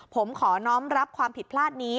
ผมขอน้องรับความผิดพลาดนี้